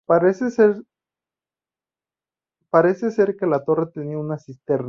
Parece ser que la torre tenía una cisterna.